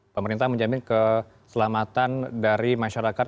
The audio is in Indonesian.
pemerintah menjamin keselamatan dari masyarakat